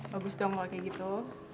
bagus dong kalau kayak gitu